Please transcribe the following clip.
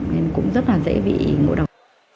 nên cũng rất là dễ bị ngủ đầu